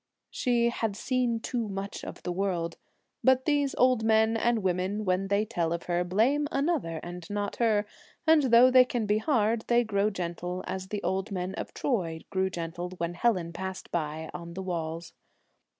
She ' had seen too much of the world '; but these old men and women, when they tell of her, blame another and not her, and though they can be hard, they grow gentle as the old men of Troy grew gentle when Helen passed by on the walls.